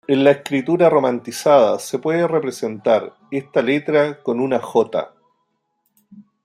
En la escritura romanizada se suele representar esta letra con una "j".